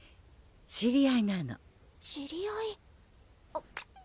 知り合いなの知り合い？